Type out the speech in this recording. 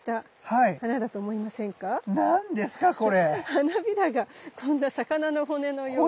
花びらがこんな魚の骨のような。